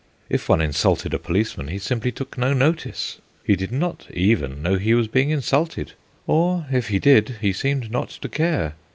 If one insulted a policeman, he simply took no notice. He did not even know he was being insulted; or, if he did, he seemed not to care.